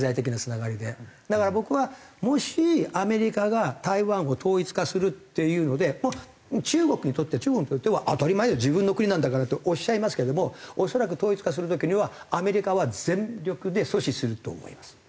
だから僕はもしアメリカが台湾を統一化するっていうので中国にとって中国にとっては当たり前だ自分の国なんだからっておっしゃいますけども恐らく統一化する時にはアメリカは全力で阻止すると思います。